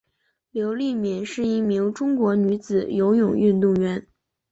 刘黎敏是一名中国女子游泳运动员。